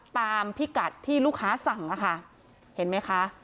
พิกัดที่ลูกค้าสั่งอะค่ะเห็นไหมคะ